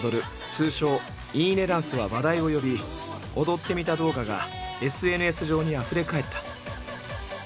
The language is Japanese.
通称「いいねダンス」は話題を呼び踊ってみた動画がＳＮＳ上にあふれ返った。